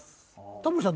タモリさん